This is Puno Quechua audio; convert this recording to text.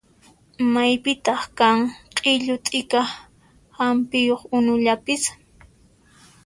Maypitaq kan q'illu t'ika hampiyuq unullapis?